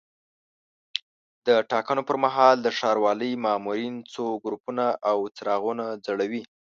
د ټاکنو پر مهال د ښاروالۍ مامورین څو ګروپونه او څراغونه ځړوي.